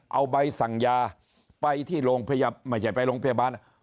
เอาใบสั่งยาไปที่โรงพยาบาลไม่ใช่ไปโรงพยาบาล